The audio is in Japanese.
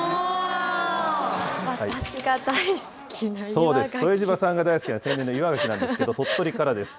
そうです、副島さんが大好きな天然の岩ガキなんですけど、鳥取からです。